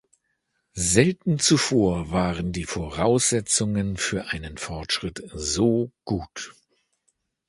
Selten zuvor waren die Voraussetzungen für einen Fortschritt so gut.